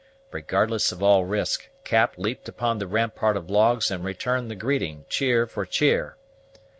Regardless of all risk, Cap leaped upon the rampart of logs and returned the greeting, cheer for cheer.